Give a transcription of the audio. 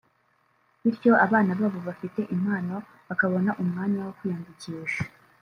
bityo abana babo bafite impano bakabona umwanya wo kwiyandikisha